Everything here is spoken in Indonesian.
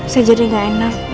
saya jadi gak enak